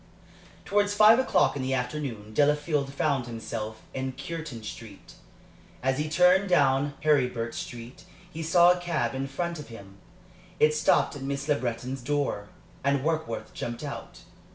Towards five o'clock in the afternoon, Delafield found himself in Cureton Street. As he turned down Heribert Street he saw a cab in front of him. It stopped at Miss Le Breton's door, and Warkworth jumped out.